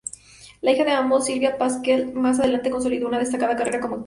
La hija de ambos, Sylvia Pasquel, más adelante consolidó una destacada carrera como actriz.